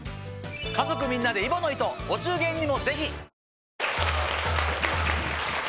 家族みんなで揖保乃糸お中元にもぜひ！